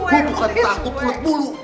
gue bukan takut ulat bulu